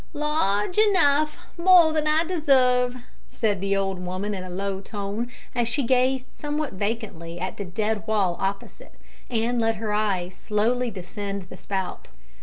"Large enough; more than I deserve," said the old woman in a low tone, as she gazed somewhat vacantly at the dead wall opposite, and let her eyes slowly descend the spout.